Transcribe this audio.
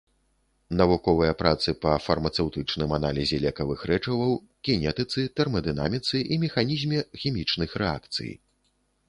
Навуковыя працы па фармацэўтычным аналізе лекавых рэчываў, кінетыцы, тэрмадынаміцы і механізме хімічных рэакцый.